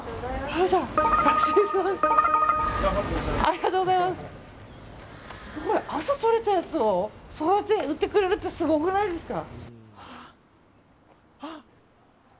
朝とれたやつをそうやって売ってくれるってすごくないですか？